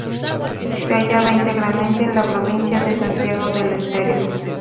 Se hallaba íntegramente en la provincia de Santiago del Estero.